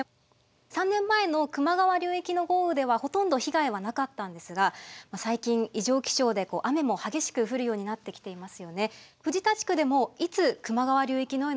３年前の球磨川流域の豪雨ではほとんど被害はなかったんですが最近異常気象で雨も激しく降るようになってきていますよね。